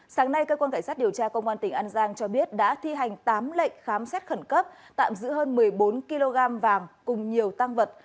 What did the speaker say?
sáng nay cơ quan cảnh sát điều tra công an tỉnh an giang cho biết đã thi hành tám lệnh khám xét khẩn cấp tạm giữ hơn một mươi bốn kg vàng cùng nhiều tăng vật